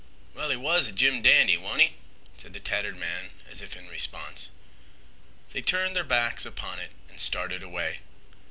"Well, he was a jim dandy, wa'n't 'e?" said the tattered man as if in response. They turned their backs upon it and started away.